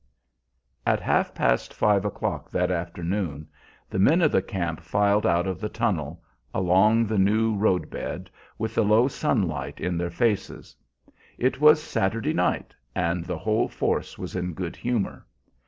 At half past five o'clock that afternoon the men of the camp filed out of the tunnel, along the new road bed, with the low sunlight in their faces. It was "Saturday night," and the whole force was in good humor.